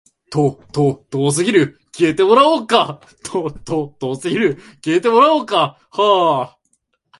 既にいった如く、それは作られたものから作るものへ、即ち主体と環境との矛盾的自己同一にあるのでなければならない。